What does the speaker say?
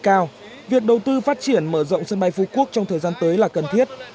cao việc đầu tư phát triển mở rộng sân bay phú quốc trong thời gian tới là cần thiết